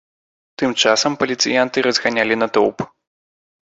Тым часам паліцыянты разганялі натоўп.